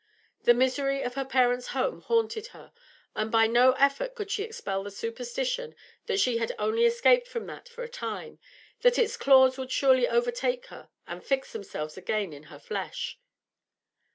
The misery of her parents' home haunted her, and by no effort could she expel the superstition that she had only escaped from that for a time, that its claws would surely overtake her and fix themselves again in her flesh.